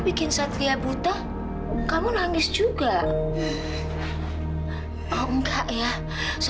pasti kamu udah nungguin lama